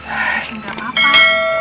eh sudah lupa pak